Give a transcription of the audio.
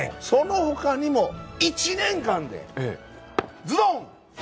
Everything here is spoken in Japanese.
その他にも１年間でズドン！